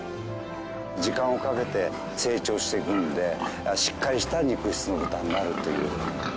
時間をかけて成長していくんでしっかりした肉質の豚になるという。